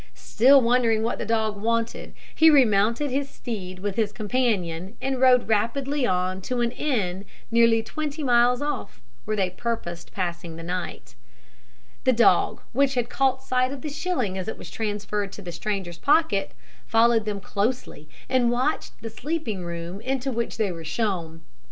Still wondering what the dog wanted, he remounted his steed, and with his companion rode rapidly on to an inn nearly twenty miles off, where they purposed passing the night. The dog, which had caught sight of the shilling as it was transferred to the stranger's pocket, followed them closely, and watched the sleeping room into which they were shown.